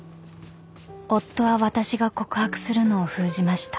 ［夫は私が告白するのを封じました］